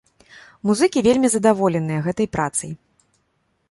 Музыкі вельмі задаволеныя гэтай працай.